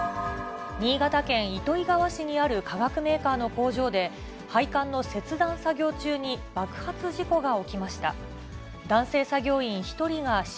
新潟県糸魚川市にある化学メーカーの工場で、配管の切断作業中に爆発事故が起きました。